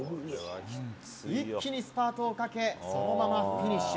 一気にスパートをかけそのままフィニッシュ。